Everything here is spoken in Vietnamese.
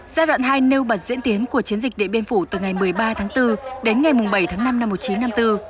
giai đoạn hai nêu bật diễn tiến của chiến dịch điện biên phủ từ ngày một mươi ba tháng bốn đến ngày bảy tháng năm năm một nghìn chín trăm năm mươi bốn